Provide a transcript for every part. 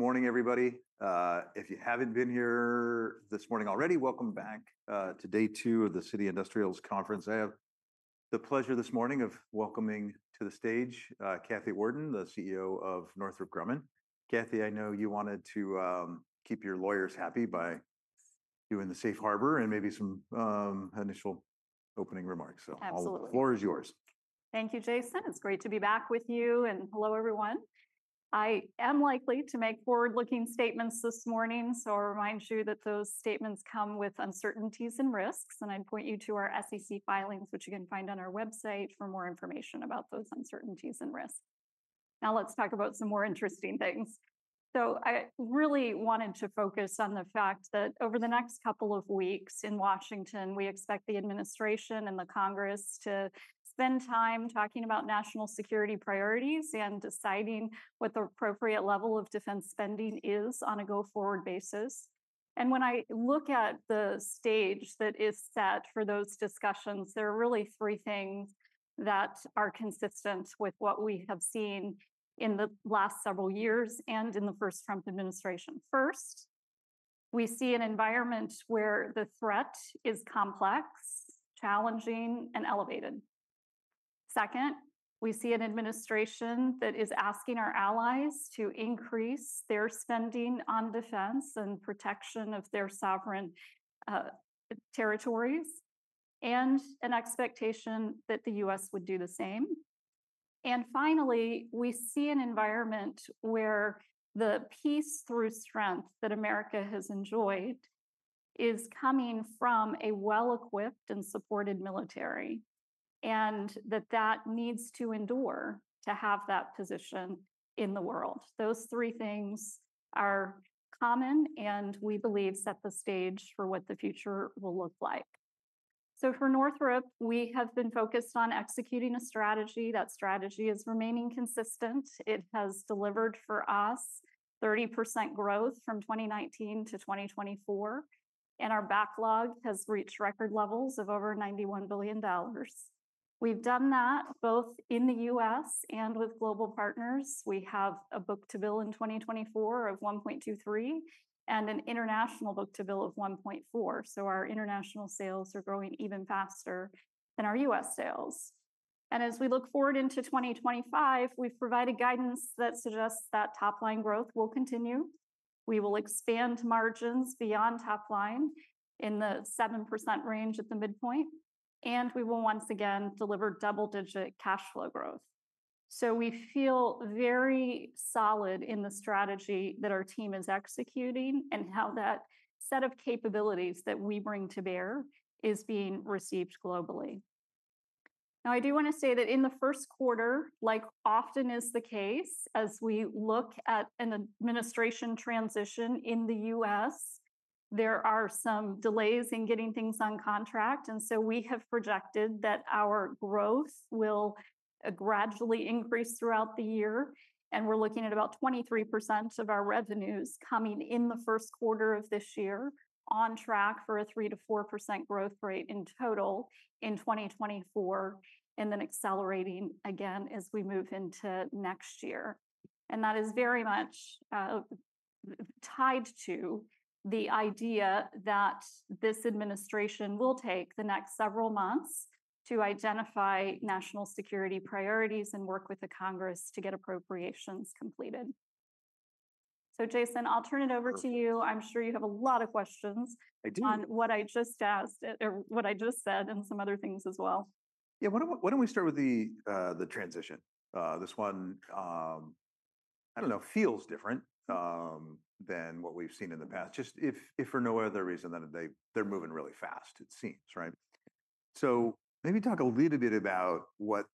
Good morning, everybody. If you haven't been here this morning already, welcome back to day two of the Citi Industrials Conference. I have the pleasure this morning of welcoming to the stage Kathy Warden, the CEO of Northrop Grumman. Kathy, I know you wanted to keep your lawyers happy by doing the safe harbor and maybe some initial opening remarks. Absolutely. The floor is yours. Thank you, Jason. It's great to be back with you, and hello, everyone. I am likely to make forward-looking statements this morning, so I'll remind you that those statements come with uncertainties and risks, and I point you to our SEC filings, which you can find on our website for more information about those uncertainties and risks. Now let's talk about some more interesting things, so I really wanted to focus on the fact that over the next couple of weeks in Washington, we expect the administration and the Congress to spend time talking about national security priorities and deciding what the appropriate level of defense spending is on a go-forward basis, and when I look at the stage that is set for those discussions, there are really three things that are consistent with what we have seen in the last several years and in the first Trump administration. First, we see an environment where the threat is complex, challenging, and elevated. Second, we see an administration that is asking our allies to increase their spending on defense and protection of their sovereign territories and an expectation that the U.S. would do the same, and finally, we see an environment where the peace through strength that America has enjoyed is coming from a well-equipped and supported military and that that needs to endure to have that position in the world. Those three things are common, and we believe set the stage for what the future will look like, so for Northrop, we have been focused on executing a strategy. That strategy is remaining consistent. It has delivered for us 30% growth from 2019 to 2024, and our backlog has reached record levels of over $91 billion. We've done that both in the U.S. and with global partners. We have a book-to-bill in 2024 of $1.23 and an international book-to-bill of $1.4. So our international sales are growing even faster than our U.S. sales. And as we look forward into 2025, we've provided guidance that suggests that top-line growth will continue. We will expand margins beyond top line in the 7% range at the midpoint, and we will once again deliver double-digit cash flow growth. So we feel very solid in the strategy that our team is executing and how that set of capabilities that we bring to bear is being received globally. Now, I do want to say that in the first quarter, like often is the case, as we look at an administration transition in the U.S., there are some delays in getting things on contract. And so we have projected that our growth will gradually increase throughout the year. We're looking at about 23% of our revenues coming in the first quarter of this year on track for a 3%-4% growth rate in total in 2024, and then accelerating again as we move into next year. That is very much tied to the idea that this administration will take the next several months to identify national security priorities and work with the Congress to get appropriations completed. Jason, I'll turn it over to you. I'm sure you have a lot of questions on what I just asked or what I just said and some other things as well. Yeah, why don't we start with the transition? This one, I don't know, feels different than what we've seen in the past, just if for no other reason than they're moving really fast, it seems, right? So maybe talk a little bit about what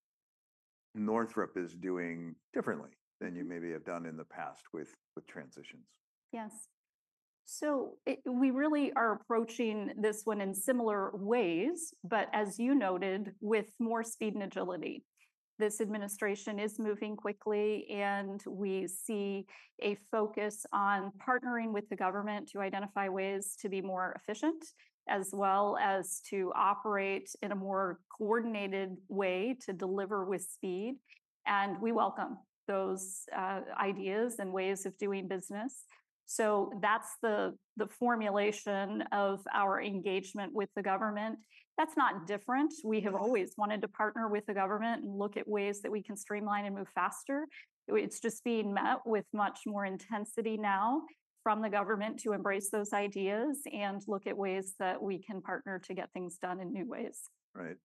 Northrop is doing differently than you maybe have done in the past with transitions. Yes. So we really are approaching this one in similar ways, but as you noted, with more speed and agility. This administration is moving quickly, and we see a focus on partnering with the government to identify ways to be more efficient, as well as to operate in a more coordinated way to deliver with speed. And we welcome those ideas and ways of doing business. So that's the formulation of our engagement with the government. That's not different. We have always wanted to partner with the government and look at ways that we can streamline and move faster. It's just being met with much more intensity now from the government to embrace those ideas and look at ways that we can partner to get things done in new ways. Right.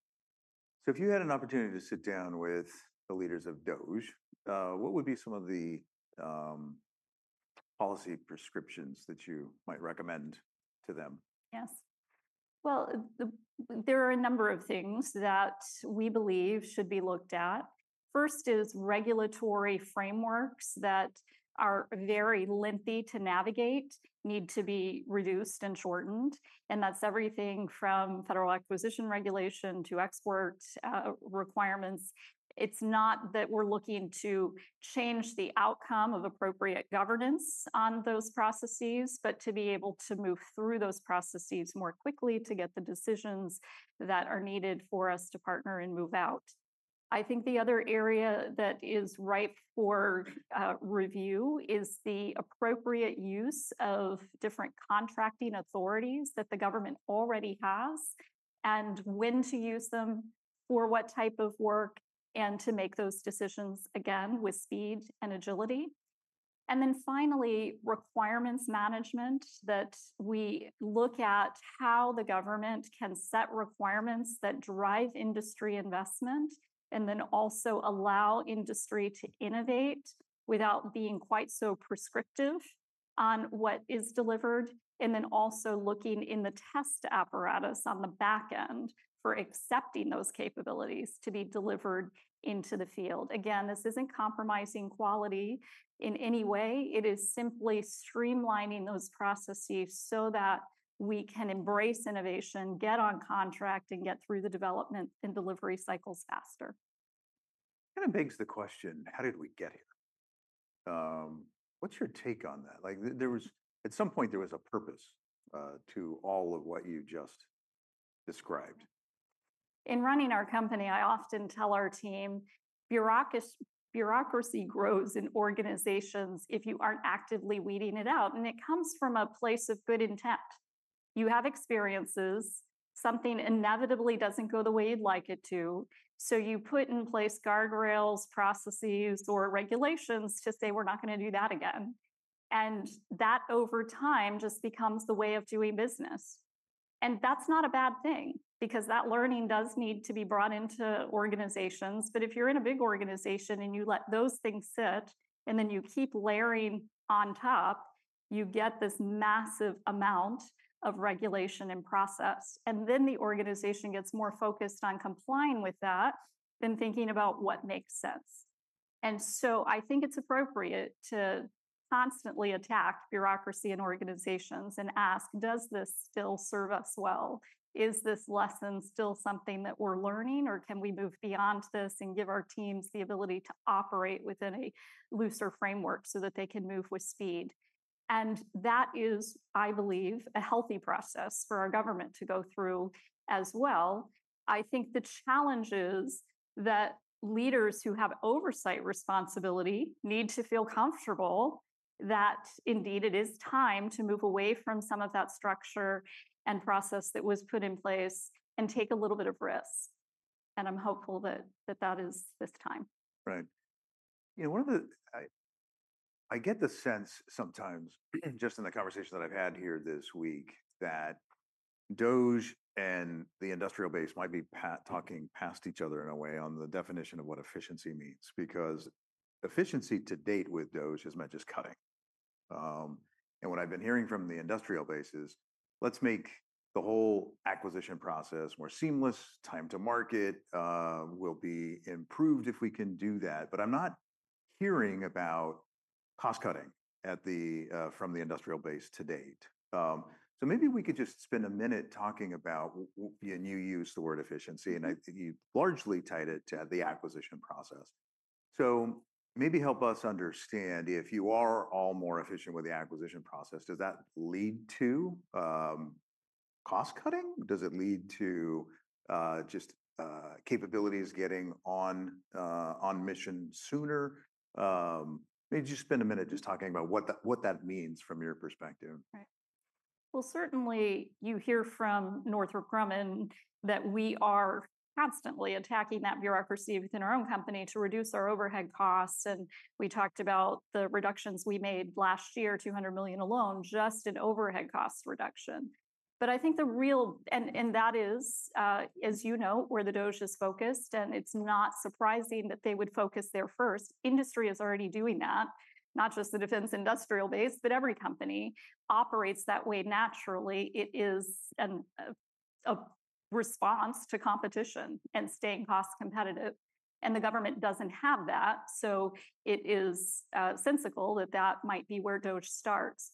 So if you had an opportunity to sit down with the leaders of DOGE, what would be some of the policy prescriptions that you might recommend to them? Yes. Well, there are a number of things that we believe should be looked at. First is regulatory frameworks that are very lengthy to navigate, need to be reduced and shortened. And that's everything from Federal Acquisition Regulation to export requirements. It's not that we're looking to change the outcome of appropriate governance on those processes, but to be able to move through those processes more quickly to get the decisions that are needed for us to partner and move out. I think the other area that is ripe for review is the appropriate use of different contracting authorities that the government already has and when to use them for what type of work and to make those decisions again with speed and agility. And then finally, requirements management that we look at how the government can set requirements that drive industry investment and then also allow industry to innovate without being quite so prescriptive on what is delivered. And then also looking in the test apparatus on the back end for accepting those capabilities to be delivered into the field. Again, this isn't compromising quality in any way. It is simply streamlining those processes so that we can embrace innovation, get on contract, and get through the development and delivery cycles faster. Kind of begs the question, how did we get here? What's your take on that? Like, there was at some point, there was a purpose to all of what you just described. In running our company, I often tell our team, bureaucracy grows in organizations if you aren't actively weeding it out. And it comes from a place of good intent. You have experiences. Something inevitably doesn't go the way you'd like it to. So you put in place guardrails, processes, or regulations to say, we're not going to do that again. And that over time just becomes the way of doing business. And that's not a bad thing because that learning does need to be brought into organizations. But if you're in a big organization and you let those things sit and then you keep layering on top, you get this massive amount of regulation and process. And then the organization gets more focused on complying with that than thinking about what makes sense. And so I think it's appropriate to constantly attack bureaucracy and organizations and ask, does this still serve us well? Is this lesson still something that we're learning, or can we move beyond this and give our teams the ability to operate within a looser framework so that they can move with speed? And that is, I believe, a healthy process for our government to go through as well. I think the challenge is that leaders who have oversight responsibility need to feel comfortable that indeed it is time to move away from some of that structure and process that was put in place and take a little bit of risk. And I'm hopeful that that is this time. Right. You know, one of the I get the sense sometimes just in the conversation that I've had here this week that DOGE and the industrial base might be talking past each other in a way on the definition of what efficiency means because efficiency to date with DOGE is not just cutting. And what I've been hearing from the industrial base is, let's make the whole acquisition process more seamless, time to market will be improved if we can do that. But I'm not hearing about cost cutting from the industrial base to date. So maybe we could just spend a minute talking about you used the word efficiency, and you largely tied it to the acquisition process. So maybe help us understand if you are all more efficient with the acquisition process, does that lead to cost cutting? Does it lead to just capabilities getting on mission sooner? Maybe just spend a minute just talking about what that means from your perspective. Right. Well, certainly you hear from Northrop Grumman that we are constantly attacking that bureaucracy within our own company to reduce our overhead costs. And we talked about the reductions we made last year, $200 million alone, just an overhead cost reduction. But I think the real and that is, as you know, where the DOGE is focused. And it's not surprising that they would focus there first. Industry is already doing that, not just the defense industrial base, but every company operates that way naturally. It is a response to competition and staying cost competitive. And the government doesn't have that. So it is sensical that that might be where DOGE starts.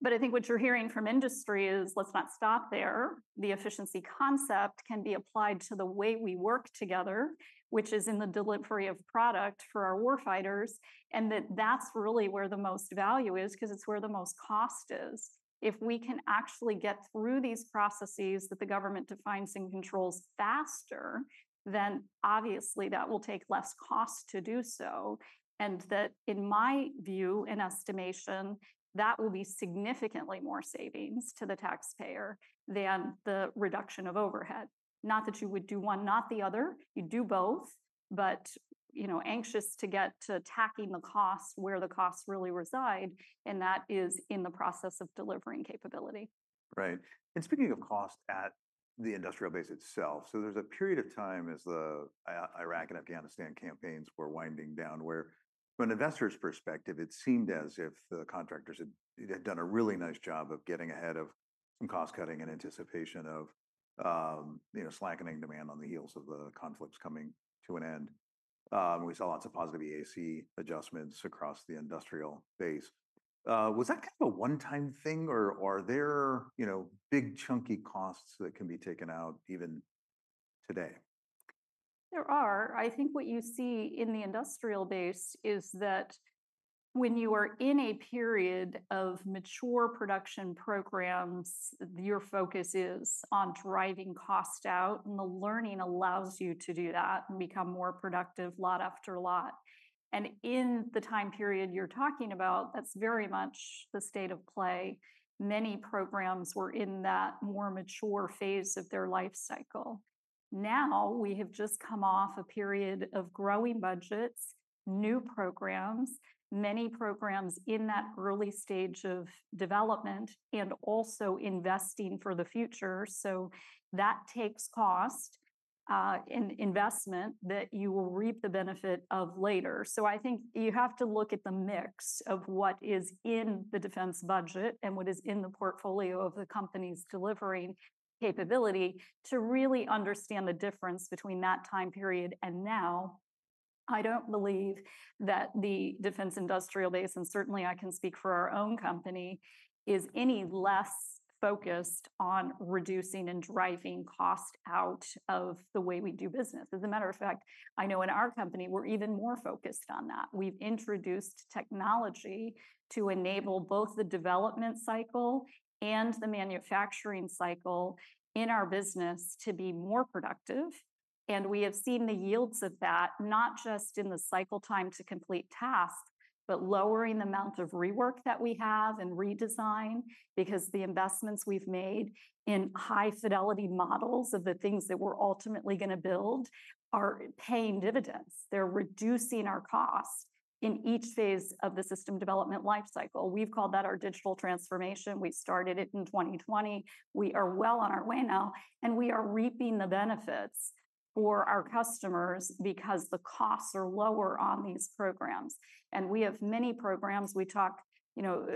But I think what you're hearing from industry is, let's not stop there. The efficiency concept can be applied to the way we work together, which is in the delivery of product for our war fighters. And that's really where the most value is because it's where the most cost is. If we can actually get through these processes that the government defines and controls faster, then obviously that will take less cost to do so, and that, in my view and estimation, will be significantly more savings to the taxpayer than the reduction of overhead. Not that you would do one, not the other. You do both, but you know, anxious to get to tackling the cost where the costs really reside, and that is in the process of delivering capability. Right. And speaking of cost at the industrial base itself, so there's a period of time as the Iraq and Afghanistan campaigns were winding down where, from an investor's perspective, it seemed as if the contractors had done a really nice job of getting ahead of some cost cutting in anticipation of, you know, slackening demand on the heels of the conflicts coming to an end. We saw lots of positive EAC adjustments across the industrial base. Was that kind of a one-time thing, or are there, you know, big chunky costs that can be taken out even today? There are. I think what you see in the industrial base is that when you are in a period of mature production programs, your focus is on driving cost out. And the learning allows you to do that and become more productive lot after lot. And in the time period you're talking about, that's very much the state of play. Many programs were in that more mature phase of their life cycle. Now we have just come off a period of growing budgets, new programs, many programs in that early stage of development and also investing for the future. So that takes cost and investment that you will reap the benefit of later. I think you have to look at the mix of what is in the defense budget and what is in the portfolio of the company's delivering capability to really understand the difference between that time period and now. I don't believe that the defense industrial base, and certainly I can speak for our own company, is any less focused on reducing and driving cost out of the way we do business. As a matter of fact, I know in our company, we're even more focused on that. We've introduced technology to enable both the development cycle and the manufacturing cycle in our business to be more productive. We have seen the yields of that, not just in the cycle time to complete tasks, but lowering the amount of rework that we have and redesign because the investments we've made in high fidelity models of the things that we're ultimately going to build are paying dividends. They're reducing our cost in each phase of the system development life cycle. We've called that our digital transformation. We started it in 2020. We are well on our way now. We are reaping the benefits for our customers because the costs are lower on these programs. We have many programs. We talk, you know,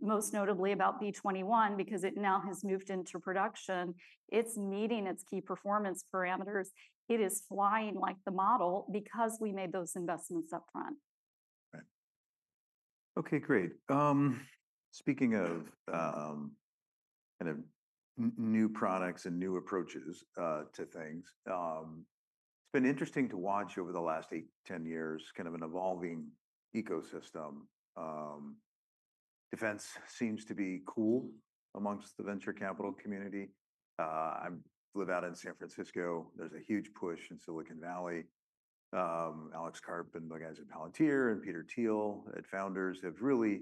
most notably about B-21 because it now has moved into production. It's meeting its key performance parameters. It is flying like the model because we made those investments upfront. Right. Okay, great. Speaking of kind of new products and new approaches to things, it's been interesting to watch over the last eight, 10 years kind of an evolving ecosystem. Defense seems to be cool amongst the venture capital community. I live out in San Francisco. There's a huge push in Silicon Valley. Alex Karp and the guys at Palantir and Peter Thiel at Founders have really,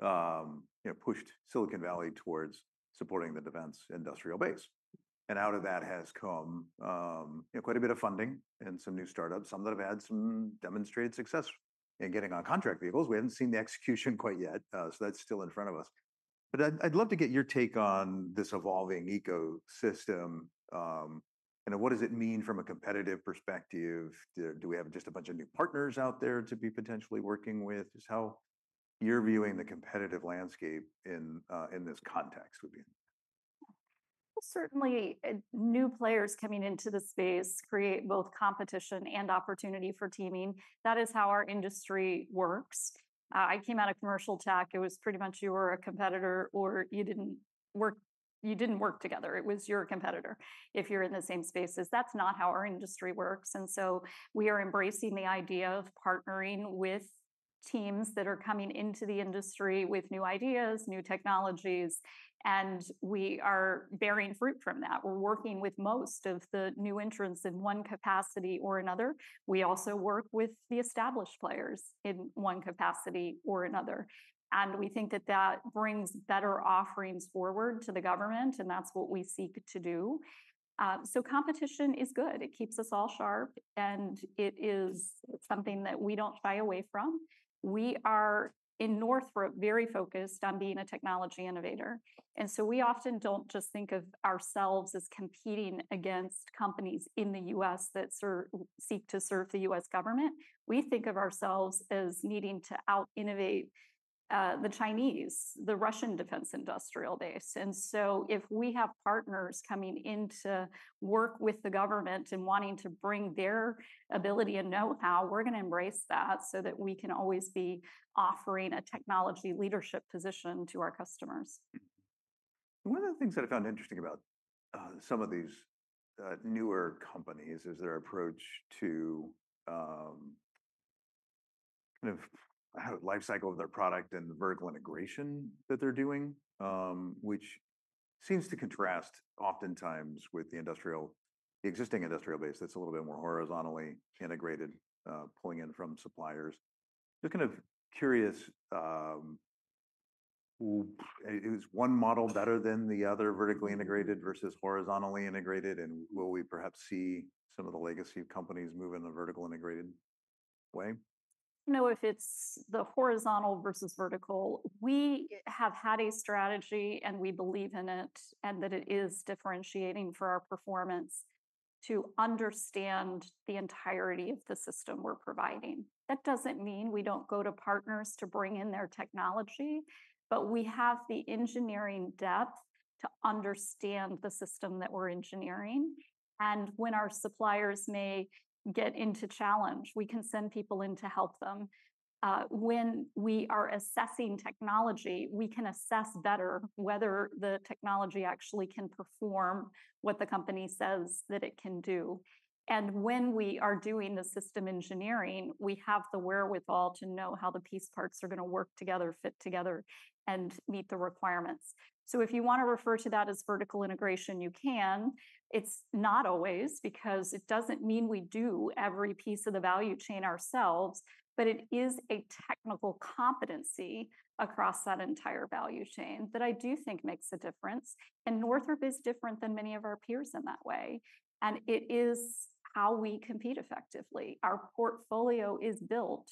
you know, pushed Silicon Valley towards supporting the defense industrial base, and out of that has come, you know, quite a bit of funding and some new startups, some that have had some demonstrated success in getting on contract vehicles. We haven't seen the execution quite yet, so that's still in front of us, but I'd love to get your take on this evolving ecosystem. Kind of what does it mean from a competitive perspective? Do we have just a bunch of new partners out there to be potentially working with? Just how you're viewing the competitive landscape in this context would be? Certainly new players coming into the space create both competition and opportunity for teaming. That is how our industry works. I came out of commercial tech. It was pretty much you were a competitor or you didn't work, you didn't work together. It was your competitor if you're in the same spaces. That's not how our industry works. And so we are embracing the idea of partnering with teams that are coming into the industry with new ideas, new technologies, and we are bearing fruit from that. We're working with most of the new entrants in one capacity or another. We also work with the established players in one capacity or another. And we think that that brings better offerings forward to the government, and that's what we seek to do. So competition is good. It keeps us all sharp, and it is something that we don't shy away from. We are Northrop, very focused on being a technology innovator, and so we often don't just think of ourselves as competing against companies in the U.S. that seek to serve the U.S. government. We think of ourselves as needing to out-innovate the Chinese, the Russian defense industrial base, and so if we have partners coming into work with the government and wanting to bring their ability and know-how, we're going to embrace that so that we can always be offering a technology leadership position to our customers. One of the things that I found interesting about some of these newer companies is their approach to kind of how the life cycle of their product and vertical integration that they're doing, which seems to contrast oftentimes with the existing industrial base that's a little bit more horizontally integrated, pulling in from suppliers. Just kind of curious, is one model better than the other, vertically integrated versus horizontally integrated? And will we perhaps see some of the legacy companies move in a vertical integrated way? You know, if it's the horizontal versus vertical, we have had a strategy, and we believe in it, and that it is differentiating for our performance to understand the entirety of the system we're providing. That doesn't mean we don't go to partners to bring in their technology, but we have the engineering depth to understand the system that we're engineering. And when our suppliers may get into challenge, we can send people in to help them. When we are assessing technology, we can assess better whether the technology actually can perform what the company says that it can do. And when we are doing the system engineering, we have the wherewithal to know how the piece parts are going to work together, fit together, and meet the requirements. So if you want to refer to that as vertical integration, you can. It's not always because it doesn't mean we do every piece of the value chain ourselves, but it is a technical competency across that entire value chain that I do think makes a difference, and Northrop is different than many of our peers in that way, and it is how we compete effectively. Our portfolio is built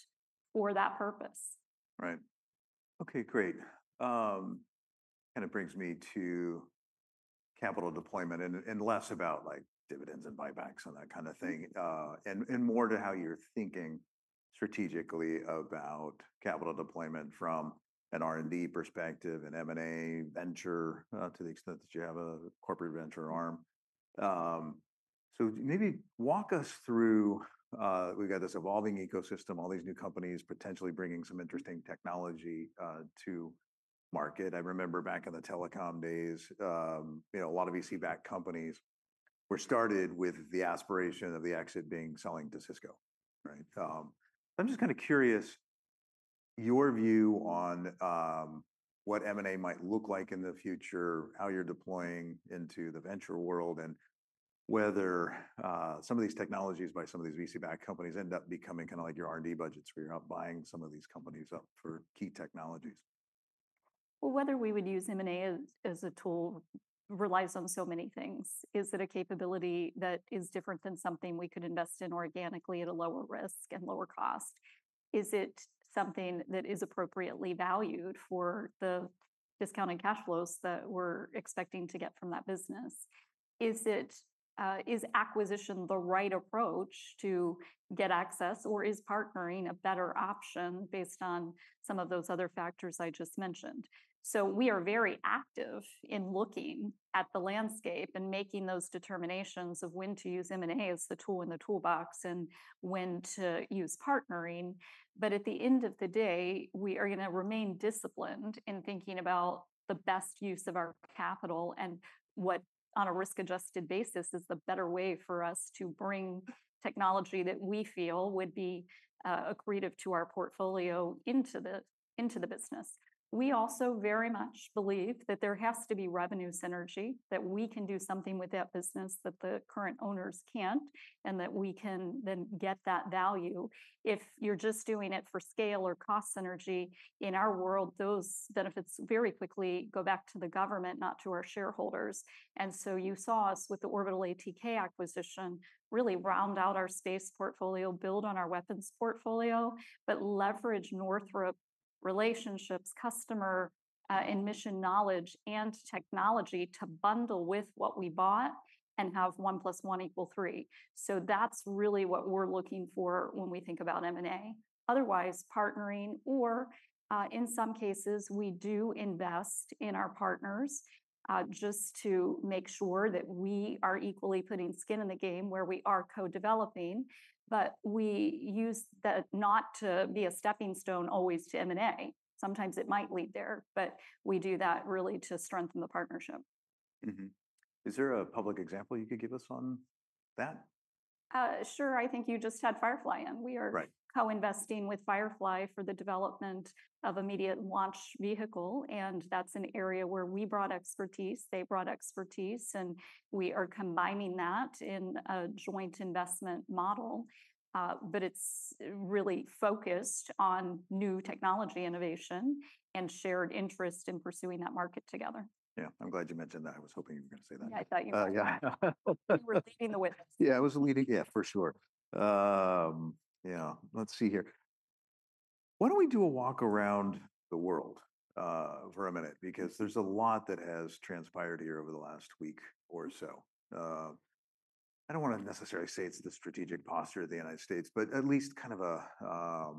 for that purpose. Right. Okay, great. Kind of brings me to capital deployment and less about like dividends and buybacks and that kind of thing, and more to how you're thinking strategically about capital deployment from an R&D perspective, an M&A venture to the extent that you have a corporate venture arm. So maybe walk us through, we've got this evolving ecosystem, all these new companies potentially bringing some interesting technology to market. I remember back in the telecom days, you know, a lot of VC-backed companies were started with the aspiration of the exit being selling to Cisco, right? I'm just kind of curious your view on what M&A might look like in the future, how you're deploying into the venture world, and whether some of these technologies by some of these VC-backed companies end up becoming kind of like your R&D budgets where you're not buying some of these companies up for key technologies? Whether we would use M&A as a tool relies on so many things. Is it a capability that is different than something we could invest in organically at a lower risk and lower cost? Is it something that is appropriately valued for the discounted cash flows that we're expecting to get from that business? Is acquisition the right approach to get access, or is partnering a better option based on some of those other factors I just mentioned? So we are very active in looking at the landscape and making those determinations of when to use M&A as the tool in the toolbox and when to use partnering. But at the end of the day, we are going to remain disciplined in thinking about the best use of our capital and what, on a risk-adjusted basis, is the better way for us to bring technology that we feel would be accretive to our portfolio into the business. We also very much believe that there has to be revenue synergy, that we can do something with that business that the current owners can't, and that we can then get that value. If you're just doing it for scale or cost synergy, in our world, those benefits very quickly go back to the government, not to our shareholders. And so you saw us with the Orbital ATK acquisition really round out our space portfolio, build on our weapons portfolio, but leverage Northrop relationships, customer and mission knowledge, and technology to bundle with what we bought and have one plus one equal three. So that's really what we're looking for when we think about M&A. Otherwise, partnering, or in some cases, we do invest in our partners just to make sure that we are equally putting skin in the game where we are co-developing, but we use that not to be a stepping stone always to M&A. Sometimes it might lead there, but we do that really to strengthen the partnership. Is there a public example you could give us on that? Sure. I think you just had Firefly in. We are co-investing with Firefly for the development of a medium launch vehicle. And that's an area where we brought expertise, they brought expertise, and we are combining that in a joint investment model. But it's really focused on new technology innovation and shared interest in pursuing that market together. Yeah. I'm glad you mentioned that. I was hoping you were going to say that. Yeah, I thought you were leading the way. Yeah, I was leading. Yeah, for sure. Yeah. Let's see here. Why don't we do a walk around the world for a minute because there's a lot that has transpired here over the last week or so. I don't want to necessarily say it's the strategic posture of the United States, but at least kind of a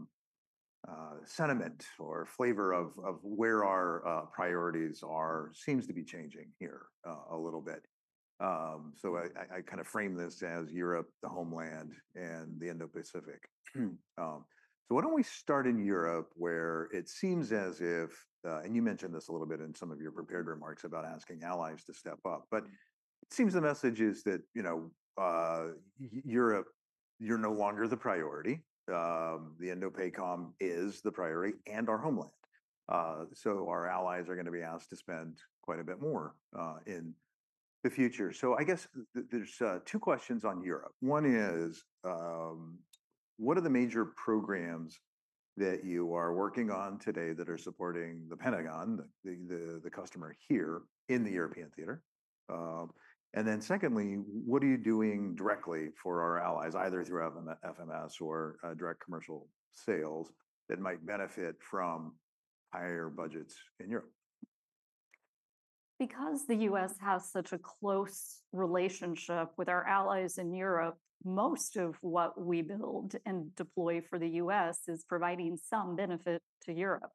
sentiment or flavor of where our priorities are seems to be changing here a little bit, so I kind of frame this as Europe, the homeland, and the Indo-Pacific, so why don't we start in Europe where it seems as if, and you mentioned this a little bit in some of your prepared remarks about asking allies to step up, but it seems the message is that, you know, Europe, you're no longer the priority. The INDOPACOM is the priority and our homeland. So our allies are going to be asked to spend quite a bit more in the future. So I guess there's two questions on Europe. One is, what are the major programs that you are working on today that are supporting the Pentagon, the customer here in the European theater? And then secondly, what are you doing directly for our allies, either through FMS or Direct Commercial Sales that might benefit from higher budgets in Europe? Because the U.S. has such a close relationship with our allies in Europe, most of what we build and deploy for the US is providing some benefit to Europe,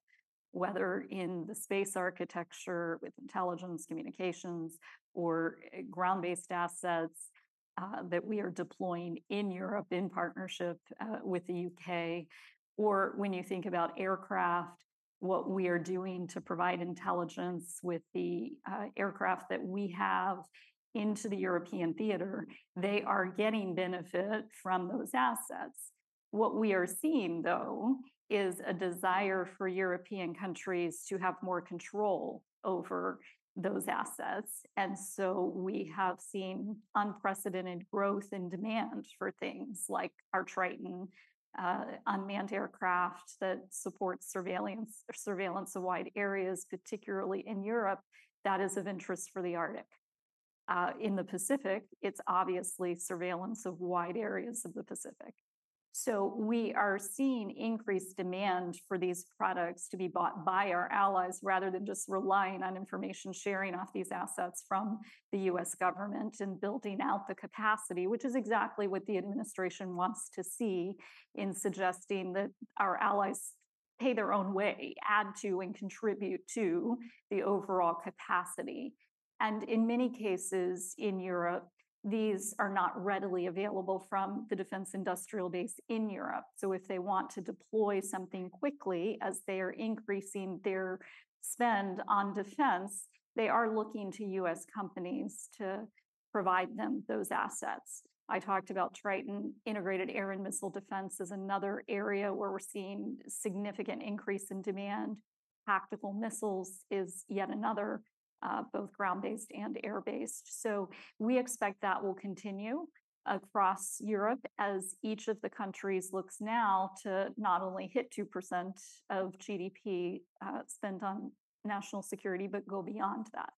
whether in the space architecture with intelligence communications or ground-based assets that we are deploying in Europe in partnership with the UK, or when you think about aircraft, what we are doing to provide intelligence with the aircraft that we have into the European theater, they are getting benefit from those assets. What we are seeing, though, is a desire for European countries to have more control over those assets. And so we have seen unprecedented growth in demand for things like our Triton, unmanned aircraft that supports surveillance of wide areas, particularly in Europe, that is of interest for the Arctic. In the Pacific, it's obviously surveillance of wide areas of the Pacific. We are seeing increased demand for these products to be bought by our allies rather than just relying on information sharing off these assets from the US government and building out the capacity, which is exactly what the administration wants to see in suggesting that our allies pay their own way, add to, and contribute to the overall capacity. In many cases in Europe, these are not readily available from the defense industrial base in Europe. If they want to deploy something quickly as they are increasing their spend on defense, they are looking to U.S. companies to provide them those assets. I talked about Triton. Integrated air and missile defense is another area where we're seeing significant increase in demand. Tactical missiles is yet another, both ground-based and air-based. So we expect that will continue across Europe as each of the countries looks now to not only hit 2% of GDP spent on national security, but go beyond that.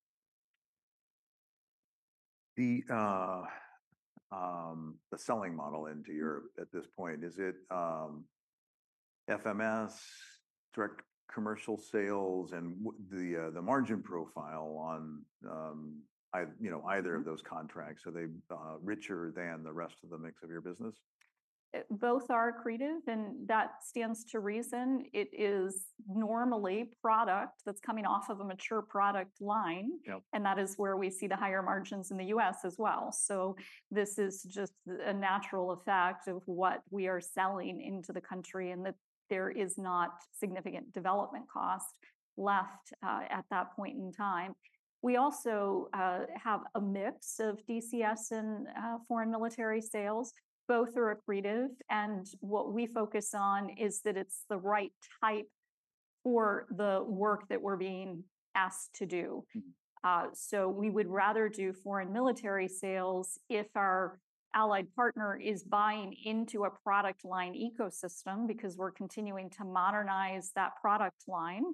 The selling model into Europe at this point, is it FMS, Direct Commercial Sales, and the margin profile on either of those contracts? Are they richer than the rest of the mix of your business? Both are accretive, and that stands to reason. It is normally product that's coming off of a mature product line, and that is where we see the higher margins in the US as well. So this is just a natural effect of what we are selling into the country and that there is not significant development cost left at that point in time. We also have a mix of DCS and Foreign Military Sales. Both are accretive, and what we focus on is that it's the right type for the work that we're being asked to do. So we would rather do Foreign Military Sales if our allied partner is buying into a product line ecosystem because we're continuing to modernize that product line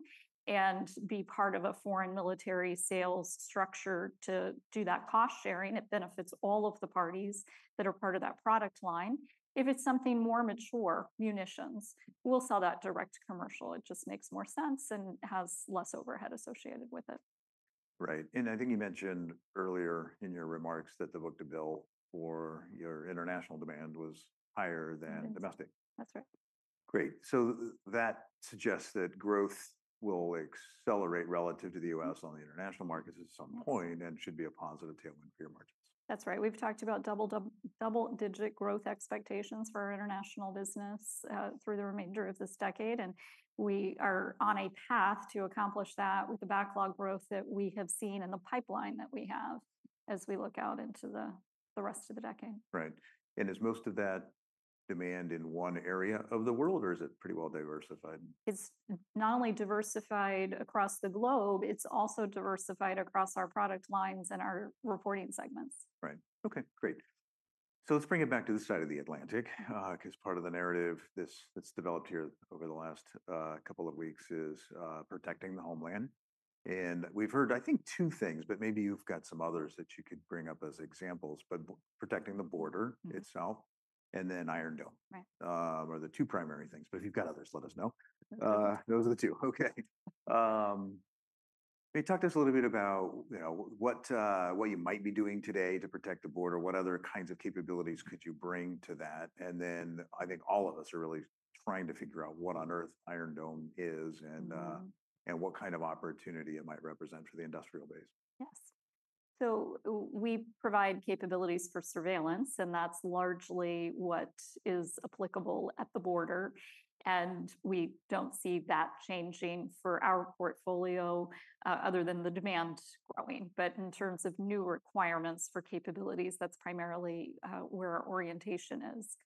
and be part of a Foreign Military Sales structure to do that cost sharing. It benefits all of the parties that are part of that product line. If it's something more mature, munitions, we'll sell that Direct Commercial. It just makes more sense and has less overhead associated with it. Right. And I think you mentioned earlier in your remarks that the book-to-bill for your international demand was higher than domestic. That's right. Great. So that suggests that growth will accelerate relative to the U.S. on the international markets at some point and should be a positive tailwind for your margins. That's right. We've talked about double-digit growth expectations for our international business through the remainder of this decade, and we are on a path to accomplish that with the backlog growth that we have seen in the pipeline that we have as we look out into the rest of the decade. Right, and is most of that demand in one area of the world, or is it pretty well diversified? It's not only diversified across the globe, it's also diversified across our product lines and our reporting segments. Right. Okay, great. So let's bring it back to the side of the Atlantic because part of the narrative that's developed here over the last couple of weeks is protecting the homeland, and we've heard, I think, two things, but maybe you've got some others that you could bring up as examples, but protecting the border itself and then Iron Dome, or the two primary things, but if you've got others, let us know. Those are the two. Okay. Talk to us a little bit about what you might be doing today to protect the border, what other kinds of capabilities could you bring to that, and then I think all of us are really trying to figure out what on earth Iron Dome is and what kind of opportunity it might represent for the industrial base. Yes, so we provide capabilities for surveillance, and that's largely what is applicable at the border, and we don't see that changing for our portfolio other than the demand growing, but in terms of new requirements for capabilities, that's primarily where our orientation is.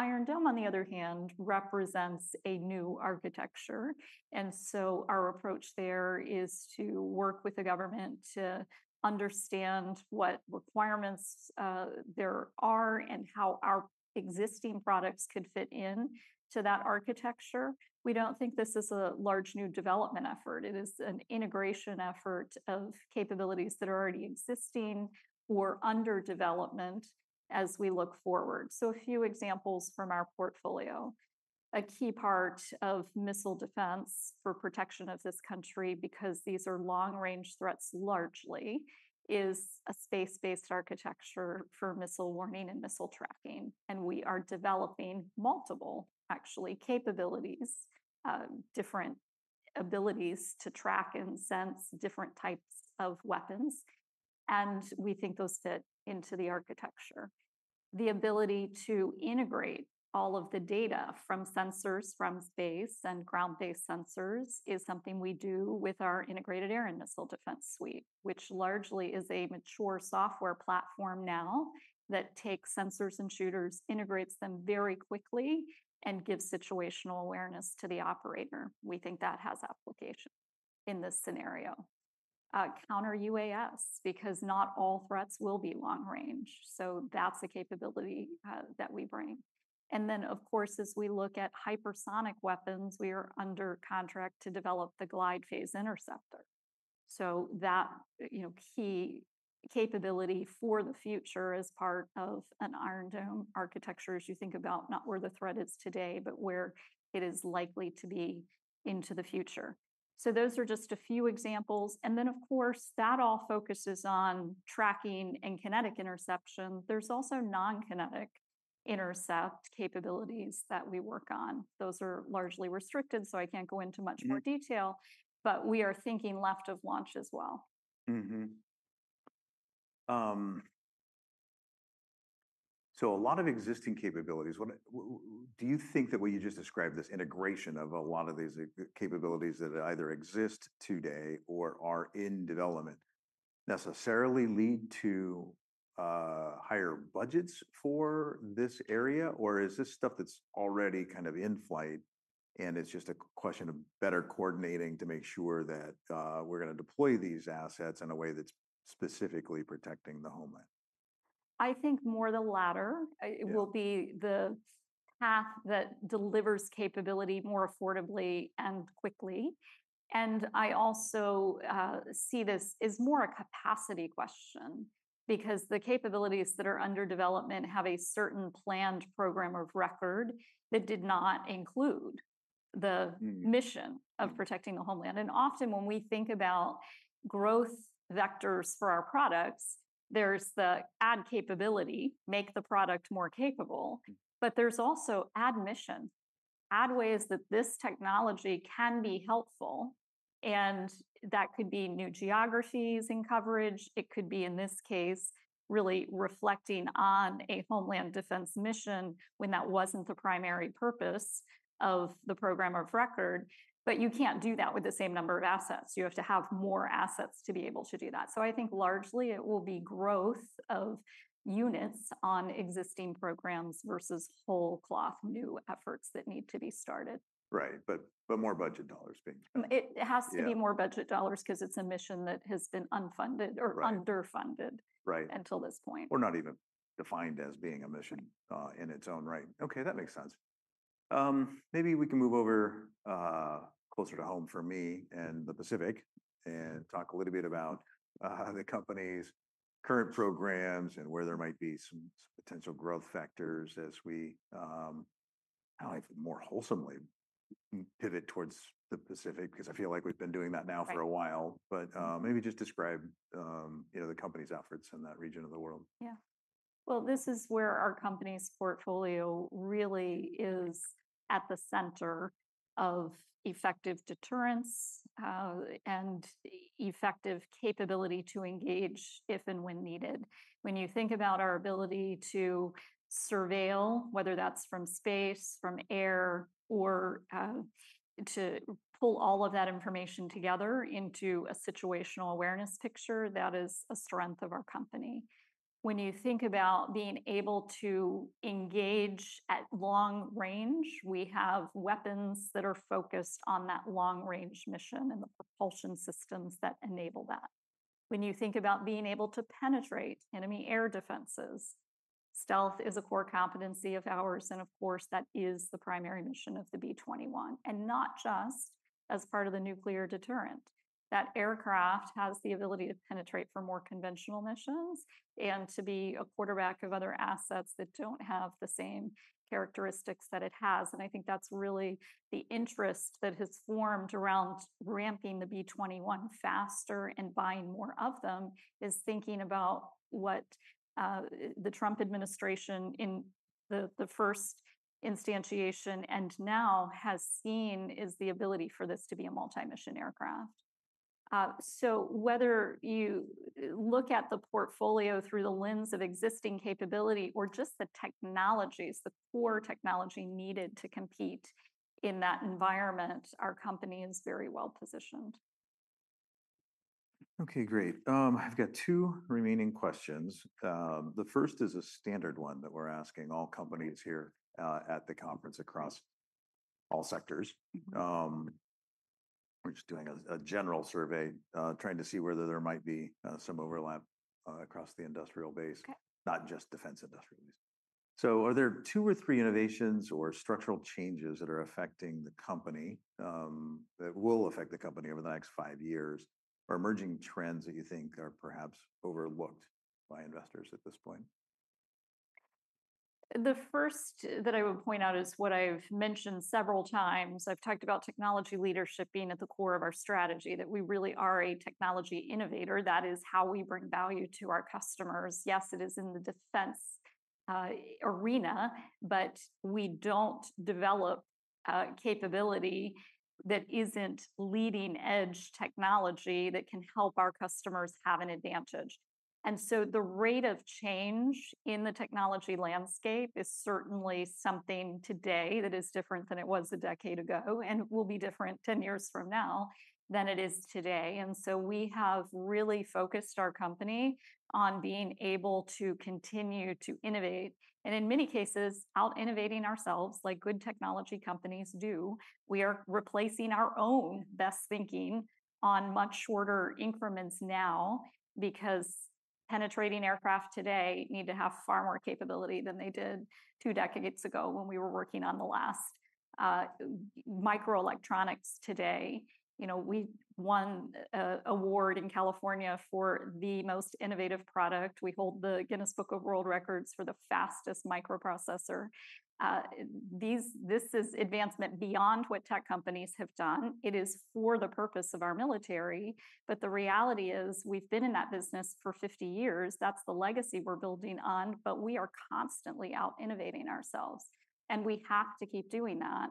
Iron Dome, on the other hand, represents a new architecture, and so our approach there is to work with the government to understand what requirements there are and how our existing products could fit into that architecture. We don't think this is a large new development effort. It is an integration effort of capabilities that are already existing or under development as we look forward, so a few examples from our portfolio. A key part of missile defense for protection of this country, because these are long-range threats largely, is a space-based architecture for missile warning and missile tracking. We are developing multiple, actually, capabilities, different abilities to track and sense different types of weapons. We think those fit into the architecture. The ability to integrate all of the data from sensors from space and ground-based sensors is something we do with our integrated air and missile defense suite, which largely is a mature software platform now that takes sensors and shooters, integrates them very quickly, and gives situational awareness to the operator. We think that has application in this scenario. Counter-UAS, because not all threats will be long-range. So that's a capability that we bring. Then, of course, as we look at hypersonic weapons, we are under contract to develop the Glide Phase Interceptor. So that key capability for the future is part of an Iron Dome architecture, as you think about not where the threat is today, but where it is likely to be into the future. So those are just a few examples. And then, of course, that all focuses on tracking and kinetic interception. There's also non-kinetic intercept capabilities that we work on. Those are largely restricted, so I can't go into much more detail, but we are thinking left of launch as well. So a lot of existing capabilities. Do you think that what you just described, this integration of a lot of these capabilities that either exist today or are in development, necessarily lead to higher budgets for this area, or is this stuff that's already kind of in flight, and it's just a question of better coordinating to make sure that we're going to deploy these assets in a way that's specifically protecting the homeland? I think more the latter. It will be the path that delivers capability more affordably and quickly, and I also see this as more a capacity question because the capabilities that are under development have a certain planned program of record that did not include the mission of protecting the homeland, and often when we think about growth vectors for our products, there's the add capability, make the product more capable, but there's also add mission, add ways that this technology can be helpful, and that could be new geographies in coverage. It could be, in this case, really reflecting on a homeland defense mission when that wasn't the primary purpose of the program of record, but you can't do that with the same number of assets. You have to have more assets to be able to do that. So I think largely it will be growth of units on existing programs versus whole cloth new efforts that need to be started. Right. But more budget dollars being spent. It has to be more budget dollars because it's a mission that has been unfunded or underfunded until this point. Or not even defined as being a mission in its own right. Okay, that makes sense. Maybe we can move over closer to home for me and the Pacific and talk a little bit about the company's current programs and where there might be some potential growth factors as we, I don't know, more wholesomely pivot towards the Pacific because I feel like we've been doing that now for a while, but maybe just describe the company's efforts in that region of the world. Yeah. Well, this is where our company's portfolio really is at the center of effective deterrence and effective capability to engage if and when needed. When you think about our ability to surveil, whether that's from space, from air, or to pull all of that information together into a situational awareness picture, that is a strength of our company. When you think about being able to engage at long range, we have weapons that are focused on that long-range mission and the propulsion systems that enable that. When you think about being able to penetrate enemy air defenses, stealth is a core competency of ours, and of course, that is the primary mission of the B-21, and not just as part of the nuclear deterrent. That aircraft has the ability to penetrate for more conventional missions and to be a quarterback of other assets that don't have the same characteristics that it has, and I think that's really the interest that has formed around ramping the B-21 faster and buying more of them is thinking about what the Trump administration in the first instantiation and now has seen is the ability for this to be a multi-mission aircraft, so whether you look at the portfolio through the lens of existing capability or just the technologies, the core technology needed to compete in that environment, our company is very well positioned. Okay, great. I've got two remaining questions. The first is a standard one that we're asking all companies here at the conference across all sectors. We're just doing a general survey trying to see whether there might be some overlap across the industrial base, not just defense industrial base. So are there two or three innovations or structural changes that are affecting the company, that will affect the company over the next five years, or emerging trends that you think are perhaps overlooked by investors at this point? The first that I would point out is what I've mentioned several times. I've talked about technology leadership being at the core of our strategy, that we really are a technology innovator. That is how we bring value to our customers. Yes, it is in the defense arena, but we don't develop capability that isn't leading-edge technology that can help our customers have an advantage. And so the rate of change in the technology landscape is certainly something today that is different than it was a decade ago and will be different 10 years from now than it is today. And so we have really focused our company on being able to continue to innovate. And in many cases, out-innovating ourselves, like good technology companies do. We are replacing our own best thinking on much shorter increments now because penetrating aircraft today need to have far more capability than they did two decades ago when we were working on the last microelectronics today. We won an award in California for the most innovative product. We hold the Guinness World Records for the fastest microprocessor. This is advancement beyond what tech companies have done. It is for the purpose of our military. But the reality is we've been in that business for 50 years. That's the legacy we're building on, but we are constantly out-innovating ourselves, and we have to keep doing that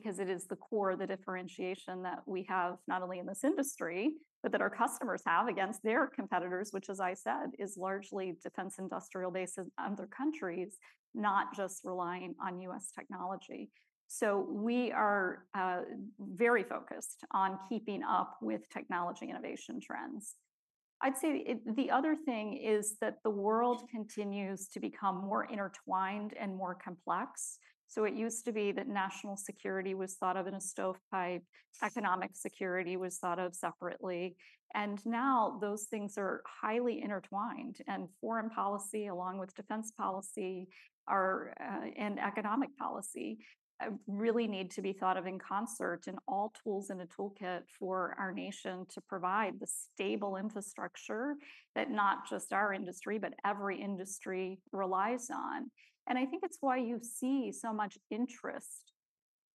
because it is the core, the differentiation that we have not only in this industry, but that our customers have against their competitors, which, as I said, is largely defense industrial base in other countries, not just relying on U.S. technology. So we are very focused on keeping up with technology innovation trends. I'd say the other thing is that the world continues to become more intertwined and more complex. So it used to be that national security was thought of in a stovepipe. Economic security was thought of separately. And now those things are highly intertwined. And foreign policy, along with defense policy and economic policy, really need to be thought of in concert and all tools in a toolkit for our nation to provide the stable infrastructure that not just our industry, but every industry relies on. And I think it's why you see so much interest,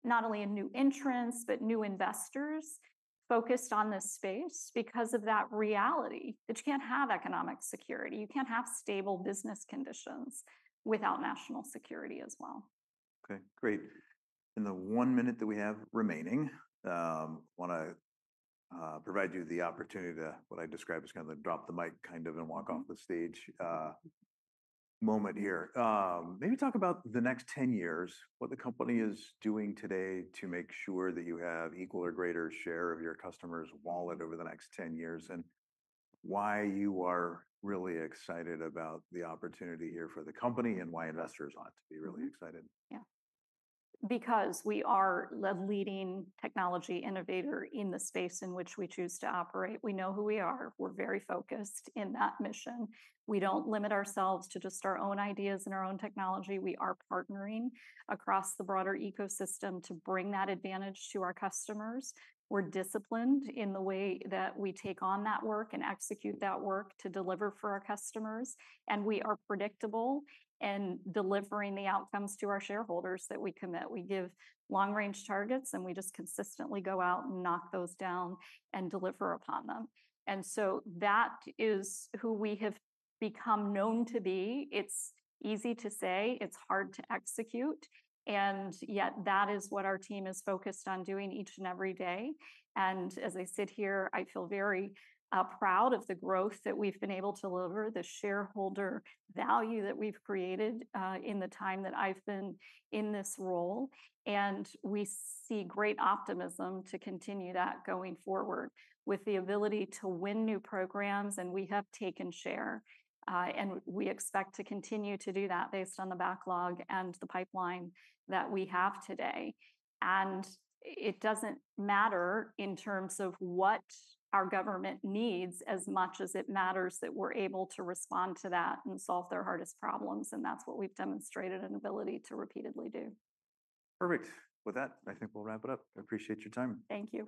not only in new entrants, but new investors focused on this space because of that reality. But you can't have economic security. You can't have stable business conditions without national security as well. Okay, great. In the one minute that we have remaining, I want to provide you the opportunity to what I describe as kind of drop the mic kind of and walk off the stage moment here. Maybe talk about the next 10 years, what the company is doing today to make sure that you have equal or greater share of your customer's wallet over the next 10 years, and why you are really excited about the opportunity here for the company and why investors ought to be really excited. Yeah. Because we are the leading technology innovator in the space in which we choose to operate. We know who we are. We're very focused in that mission. We don't limit ourselves to just our own ideas and our own technology. We are partnering across the broader ecosystem to bring that advantage to our customers. We're disciplined in the way that we take on that work and execute that work to deliver for our customers. And we are predictable in delivering the outcomes to our shareholders that we commit. We give long-range targets, and we just consistently go out and knock those down and deliver upon them. And so that is who we have become known to be. It's easy to say. It's hard to execute. And yet that is what our team is focused on doing each and every day. As I sit here, I feel very proud of the growth that we've been able to deliver, the shareholder value that we've created in the time that I've been in this role. We see great optimism to continue that going forward with the ability to win new programs, and we have taken share. We expect to continue to do that based on the backlog and the pipeline that we have today. It doesn't matter in terms of what our government needs as much as it matters that we're able to respond to that and solve their hardest problems. That's what we've demonstrated an ability to repeatedly do. Perfect. With that, I think we'll wrap it up. I appreciate your time. Thank you.